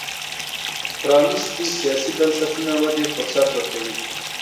پرانیستي سیاسي بنسټونه ودې فرصت ورکوي.